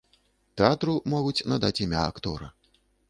Тэатру могуць надаць імя актора.